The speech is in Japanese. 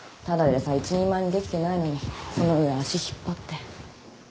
ただでさえ一人前にできてないのにその上足引っ張って。